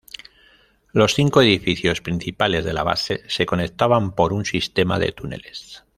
Los cinco edificios principales de la base se conectaban por un sistema de túneles.